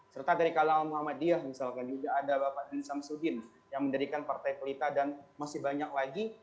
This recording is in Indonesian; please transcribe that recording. serta dari kalang muhammad diyah misalkan juga ada bapak bin samsudin yang mendirikan partai pelita dan masih banyak lagi